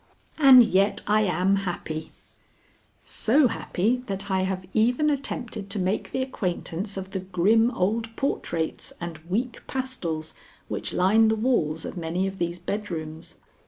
And yet I am happy, so happy that I have even attempted to make the acquaintance of the grim old portraits and weak pastels which line the walls of many of these bedrooms.